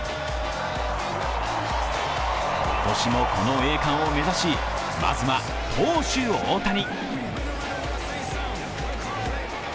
今年もこの栄冠を目指しまずは投手・大谷。